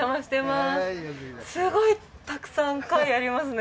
すごいたくさん貝ありますね